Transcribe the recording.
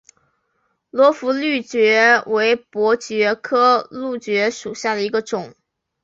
罗浮蕗蕨为膜蕨科蕗蕨属下的一个种。